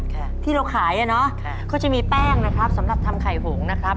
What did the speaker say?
ค่ะที่เราขายอ่ะเนอะค่ะก็จะมีแป้งนะครับสำหรับทำไข่หงนะครับ